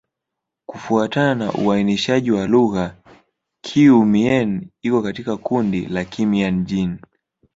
Kufuatana na uainishaji wa lugha, Kiiu-Mien iko katika kundi la Kimian-Jin.